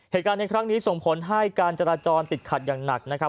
เหตุการณ์ในครั้งนี้ส่งผลให้การจราจรติดขัดอย่างหนักนะครับ